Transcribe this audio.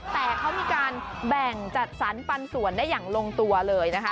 แต่เขามีการแบ่งจัดสรรปันส่วนได้อย่างลงตัวเลยนะคะ